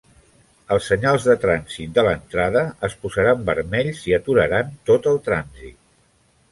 Els senyals de trànsit de l'entrada es posaran vermells i aturaran tot el trànsit.